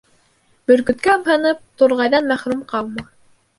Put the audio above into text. Бөркөткә ымһынып, турғайҙан мәхрүм ҡалма.